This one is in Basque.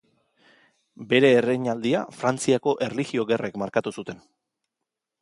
Bere erreinaldia Frantziako Erlijio Gerrek markatu zuten.